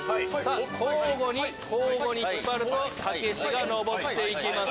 交互に引っ張るとタケシが上っていきます。